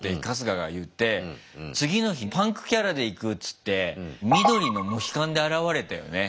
次の日パンクキャラでいくっつって緑のモヒカンで現れたよね。